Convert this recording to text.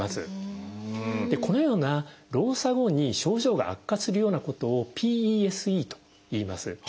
このような労作後に症状が悪化するようなことを「ＰＥＳＥ」といいます。